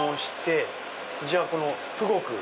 じゃあこのプゴク。